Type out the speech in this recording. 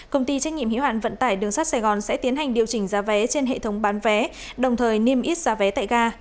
công ty trách nhiệm hiếu hạn vận tải đường sắt sài gòn sẽ tiến hành điều chỉnh giá vé trên hệ thống bán vé đồng thời niêm yết giá vé tại ga